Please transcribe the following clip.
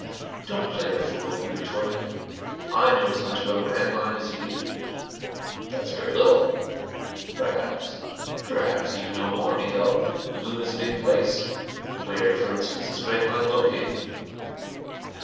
"Don't play the fool," he retorted. "I know as much about Grantline as you do." "That's very little." "Perhaps." "Perhaps you know more, Miko. The Moon is a big place. Where, for instance, is Grantline located?"